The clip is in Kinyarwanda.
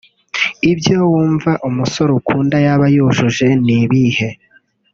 Ibyo wumva umusore ukunda yaba yujuje ni ibihe